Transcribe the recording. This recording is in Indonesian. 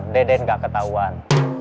deden gak ketahuan